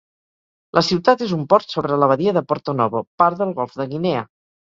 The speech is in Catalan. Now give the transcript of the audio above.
La ciutat és un port sobre la badia de Porto-Novo, part del golf de Guinea.